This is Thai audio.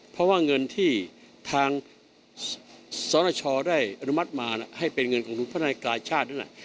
เพราะว่าเงินที่ทางสรชได้อนุมัติมาให้เป็นเงินของพนักงานกายชาตินั่นแหละ